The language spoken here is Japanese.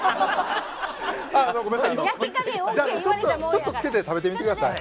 ちょっとつけて食べてみてください。